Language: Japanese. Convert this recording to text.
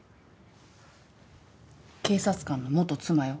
警察官の元妻よ。